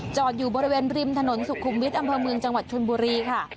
จอดอยู่บริเวณริมถนนสุขุมวิทย์อำเภอเมืองจังหวัดชนบุรีค่ะ